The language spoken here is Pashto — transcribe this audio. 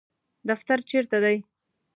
دفتر چیرته دی؟